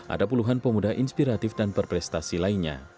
ada puluhan pemuda inspiratif dan berprestasi lainnya